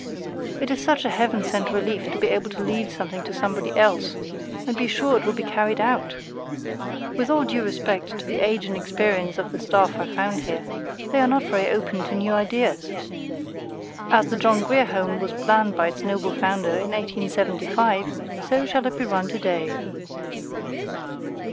It is such a heaven sent relief to be able to leave something to somebody else, and be sure it will be carried out! With all due respect to the age and experience of the staff I found here, they are not very open to new ideas. As the John Grier Home was planned by its noble founder in 1875, so shall it be run today.